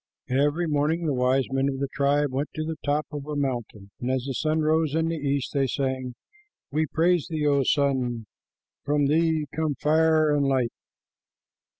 Every morning the wise men of the tribe went to the top of a mountain, and as the sun rose in the east, they sang, "We praise thee, O sun! From thee come fire and light.